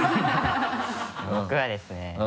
僕はですね。